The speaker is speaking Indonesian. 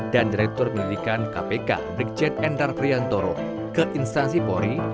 dan direktur pendidikan kpk brigjen endar priyantoro ke instansi pori